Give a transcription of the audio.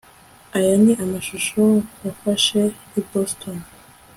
aya ni amashusho wafashe i boston